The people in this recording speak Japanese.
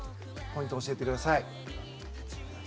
ポイントを教えてください。